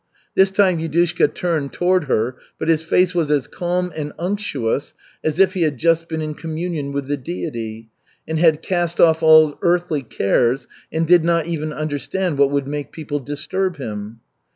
This time Yudushka turned toward her, but his face was as calm and unctuous as if he had just been in communion with the Deity, and had cast off all earthly cares, and did not even understand what could make people disturb him.